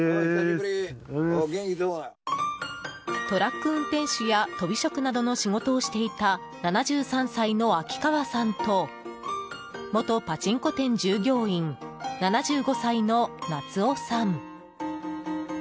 トラック運転手やとび職などの仕事をしていた７３歳の秋川さんと元パチンコ店従業員７５歳の夏夫さん。